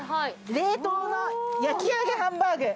冷凍の焼上ハンバーグ。